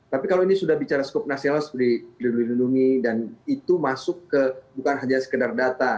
tapi kalau ini sudah bicara skup nasional seperti dilindungi dan itu masuk ke bukan hanya sekedar data